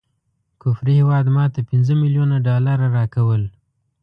کفري هیواد ماته پنځه ملیونه ډالره راکول.